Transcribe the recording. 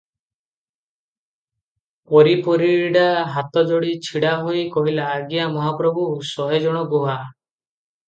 ପରି ପରିଡା ହାତଯୋଡି ଛିଡ଼ା ହୋଇ କହିଲା, "ଆଜ୍ଞା ମହାପ୍ରଭୁ, ଶହେ ଜଣ ଗୁହା ।